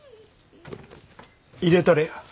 入れたれや。